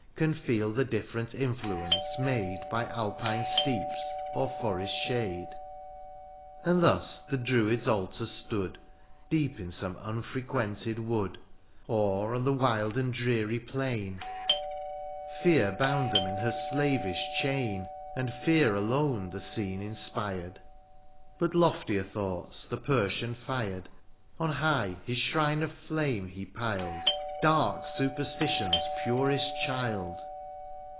Can feel the different influence made By alpine steeps, or forest shade. And thus the Druids' altar stood. Deep in some unfrequented wood. Or on the wild and dreary plain ; Fear boimd them in her slavish chain. And fear alone the scene inspired : But loftier thoughts the Persian fired, — On high his shrine of flame he piled. Dark superstition's purest child.